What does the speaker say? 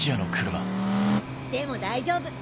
でも大丈夫。